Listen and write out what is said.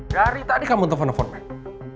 dari tadi kamu telfon tefon mel